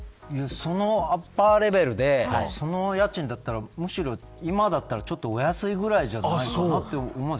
そのアッパーレベルでその家賃だったらむしろ今だったらちょっとお安いぐらいだと思います。